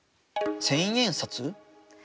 千円札？